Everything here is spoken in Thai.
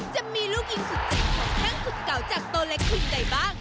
จะมีลูกยิงสุดเจ็บของทั้งศึกเก่าจากโตเล็กคืนใดบ้าง